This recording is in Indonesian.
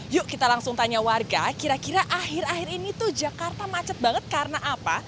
yuk kita langsung tanya warga kira kira akhir akhir ini tuh jakarta macet banget karena apa